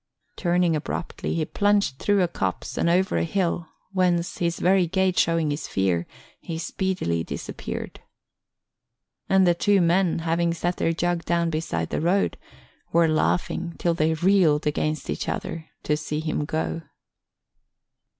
Turning abruptly, he plunged through a copse and over a hill, whence, his very gait showing his fear, he speedily disappeared. And the two men, having set their jug down beside the road, were laughing till they reeled against each other, to see him go.